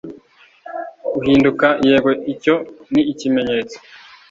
Uhinduka yego icyo ni ikimenyetso